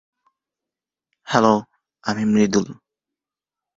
গ্রাহকদের জন্য নতুন নতুন সুবিধা ও অফার নিয়ে হাজির হবে জোভাগো।